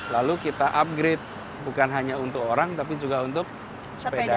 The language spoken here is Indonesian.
lalu kita upgrade bukan hanya untuk orang tapi juga untuk sepeda